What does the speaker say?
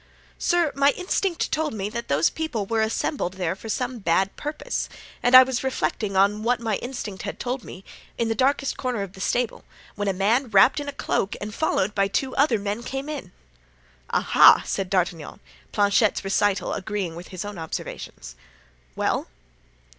"Sir, my instinct told me that those people were assembled there for some bad purpose; and I was reflecting on what my instinct had told me, in the darkest corner of the stable, when a man wrapped in a cloak and followed by two other men, came in." "Ah ah!" said D'Artagnan, Planchet's recital agreeing with his own observations. "Well?"